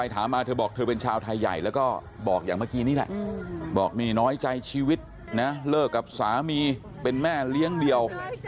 ดึงเล่าชีวิตเลิกกับสามีเป็นแม่เลี้ยงเดียว